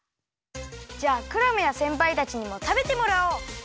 じゃあクラムやせんぱいたちにもたべてもらおう！